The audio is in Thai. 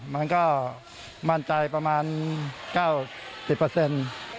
มันก็มั่นใจประมาณ๙๐